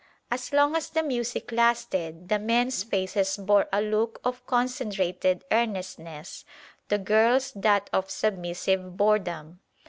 As long as the music lasted the men's faces bore a look of concentrated earnestness, the girls' that of submissive boredom.